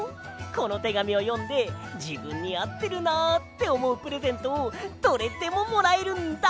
このてがみをよんでじぶんにあってるなっておもうプレゼントをどれでももらえるんだ！